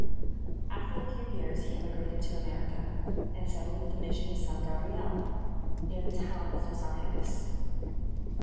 After a few years he emigrated to America, and settled at the Mission of San Gabriel near the town of Los Angeles.